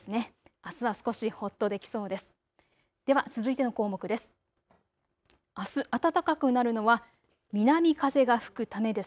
あすは少しほっとできそうです。